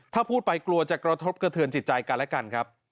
ถ้าพูดไปกลัวจะกระทบกระเทือนจิตใจกันและกันครับ